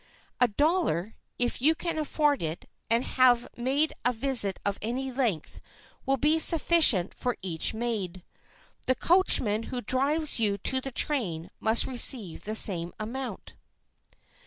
A dollar, if you can afford it and have made a visit of any length, will be sufficient for each maid. The coachman who drives you to the train must receive the same amount.